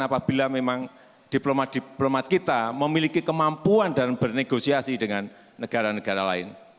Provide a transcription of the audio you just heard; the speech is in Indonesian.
apabila memang diplomat diplomat kita memiliki kemampuan dan bernegosiasi dengan negara negara lain